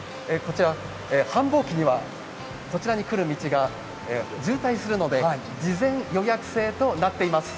繁忙期にはこちらに来る道が渋滞するので事前予約制となっています。